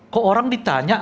kok orang ditanya